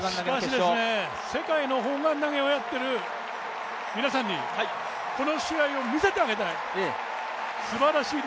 しかし、世界の砲丸投をやっている皆さんにこの試合を見せてあげたい。